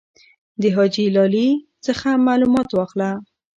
د حاجي لالي څخه معلومات واخله.